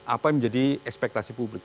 apa yang menjadi ekspektasi publik